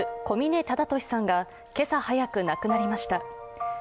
小嶺忠敏さんが今朝早く亡くなりました。